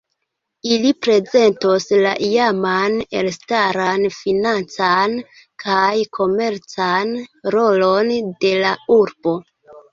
Ili prezentos la iaman elstaran financan kaj komercan rolon de la urbo.